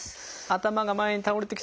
頭が前に倒れて。